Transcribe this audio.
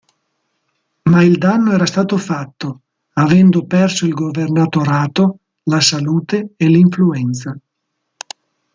Ma il danno era stato fatto, avendo perso il governatorato, la salute e l'influenza.